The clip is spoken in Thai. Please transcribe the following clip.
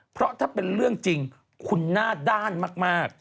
เพราะถ้าเป็นเรื่องจริงคุณหน้าด้านมาก